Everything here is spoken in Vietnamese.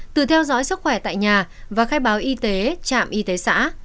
từ theo dõi sức khỏe tại nhà và khai báo y tế trạm y tế xã